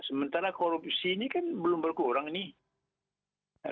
sementara korupsi ini kan belum berkurang nih